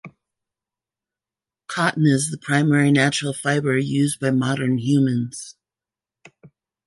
Cotton is the primary natural fibre used by modern humans.